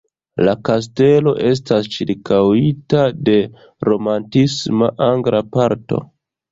La kastelo estas ĉirkaŭita de romantisma angla parko.